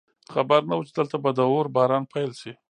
خبر نه وو چې دلته به د اور باران پیل شي